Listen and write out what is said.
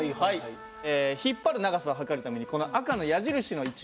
引っ張る長さを測るためにこの赤の矢印の位置